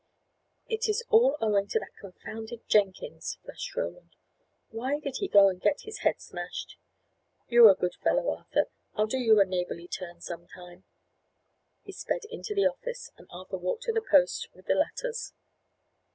"It is all owing to that confounded Jenkins!" flashed Roland. "Why did he go and get his head smashed? You are a good fellow, Arthur. I'll do you a neighbourly turn, some time." He sped into the office, and Arthur walked to the post with the letters.